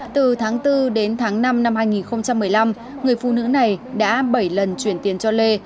từ tháng bốn đến tháng năm năm hai nghìn một mươi năm người phụ nữ này đã bảy lần chuyển tiền cho lê